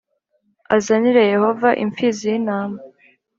azanire Yehova imfizi y intama